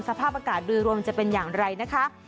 สภาพอากาศโดยรวมจะเป็นอย่างไรนะคะ